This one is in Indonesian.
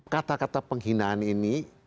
kata kata penghinaan ini